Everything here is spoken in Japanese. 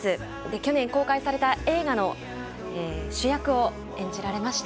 去年公開された映画の主役を演じられました。